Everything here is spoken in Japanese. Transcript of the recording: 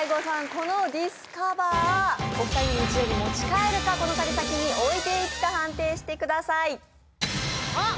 このディスカバーお二人の日常に持ち帰るかこの旅先に置いていくか判定してください・あっ！